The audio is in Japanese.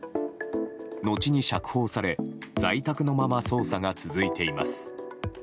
後に釈放され在宅のまま捜査が続いています。